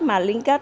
mà liên kết